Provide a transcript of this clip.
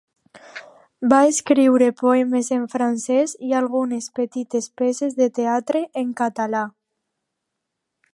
Va escriure poemes en francès i algunes petites peces de teatre en català.